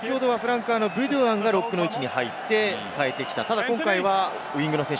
先ほどはブドゥアンがロックの位置に入って変えてきた。